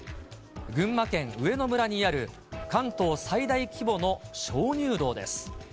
群馬県上野村にある、関東最大規模の鍾乳洞です。